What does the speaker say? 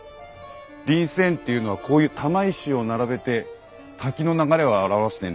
林泉っていうのはこういう玉石を並べて滝の流れを表してんですね。